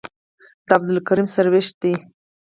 دا عبدالکریم سروش ده.